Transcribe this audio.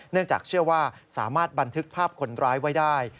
จากเชื่อว่าสามารถบันทึกภาพคนร้ายไว้ได้